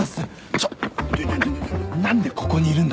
ちょっ何でここにいるんだ？